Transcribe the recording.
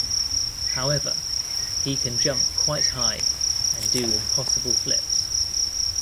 However, he can jump quite high, and do impossible flips.